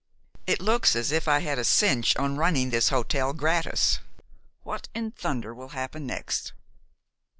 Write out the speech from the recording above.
It looks as if I had a cinch on running this hotel gratis. What in thunder will happen next?"